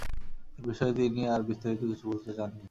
এ বিষয়ে তিনি আর বিস্তারিত কিছু বলতে চাননি।